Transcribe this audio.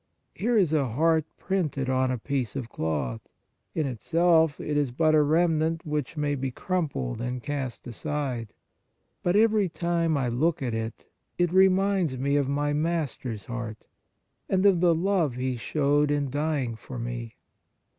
Here is a heart printed on a piece of cloth ; in itself, it is but a remnant which may be crumpled and cast aside ; but every time I look at it, it reminds me of my Master s Heart, and of the love He showed in dying for me.